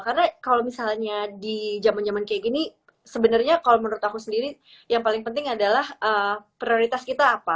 karena kalau misalnya di zaman zaman kayak gini sebenarnya kalau menurut aku sendiri yang paling penting adalah prioritas kita apa